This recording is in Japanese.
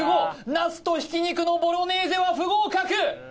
ナスと挽き肉のボロネーゼは不合格！